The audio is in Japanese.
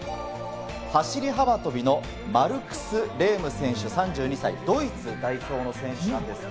走り幅跳びのマルクス・レーム選手、３２歳、ドイツ代表の選手です。